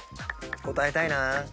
答えたいな。